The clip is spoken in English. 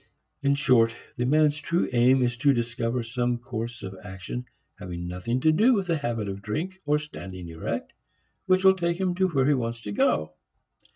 In short, the man's true aim is to discover some course of action, having nothing to do with the habit of drink or standing erect, which will take him where he wants to go.